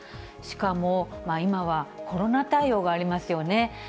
しかも今は、コロナ対応がありますよね。